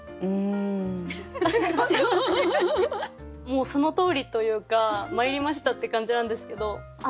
もうそのとおりというかまいりましたって感じなんですけど。